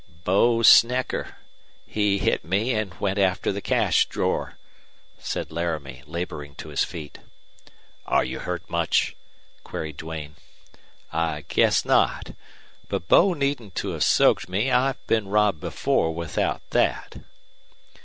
"Bo Snecker! He hit me and went after the cash drawer," said Laramie, laboring to his feet. "Are you hurt much?" queried Duane. "I guess not. But Bo needn't to have soaked me. I've been robbed before without that."